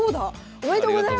おめでとうございます！